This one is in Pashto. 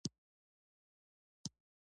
ډاکټر حشمتي په کاوچ کې تکيه کړې وه